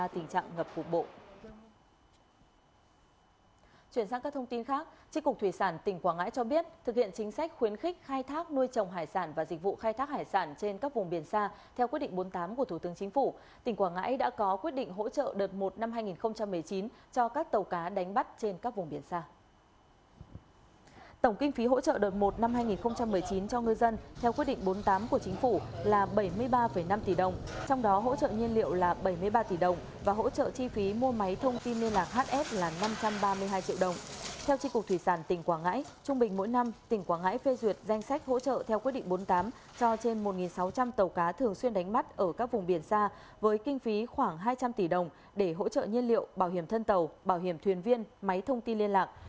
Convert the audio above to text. theo chính cục thủy sản tỉnh quảng ngãi trung bình mỗi năm tỉnh quảng ngãi phê duyệt danh sách hỗ trợ theo quyết định bốn mươi tám cho trên một sáu trăm linh tàu cá thường xuyên đánh bắt ở các vùng biển xa với kinh phí khoảng hai trăm linh tỷ đồng để hỗ trợ nhiên liệu bảo hiểm thân tàu bảo hiểm thuyền viên máy thông tin liên lạc